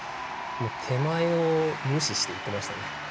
手前を無視していってましたね。